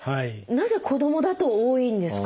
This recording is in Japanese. なぜ子どもだと多いんですか？